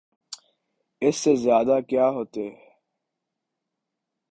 اس سے زیادہ کیا ہوتے؟